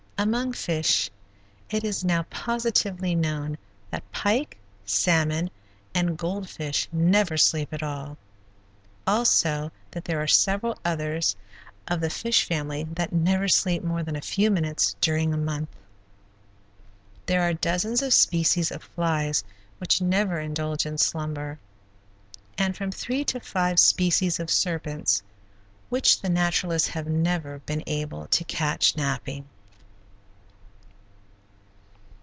Among fish it is now positively known that pike, salmon, and gold fish never sleep at all. Also that there are several others of the fish family that never sleep more than a few minutes during a month. There are dozens of species of flies which never indulge in slumber, and from three to five species of serpents which the naturalists have never been able to catch napping.